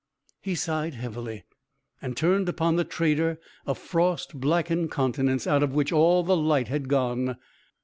He sighed heavily, and turned upon the trader a frost blackened countenance, out of which all the light had gone.